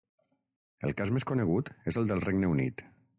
El cas més conegut és el del Regne Unit.